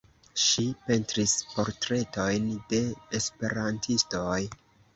Ŝi pentris portretojn de esperantistoj.